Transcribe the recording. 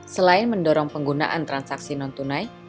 selain mendorong penggunaan transaksi non tunai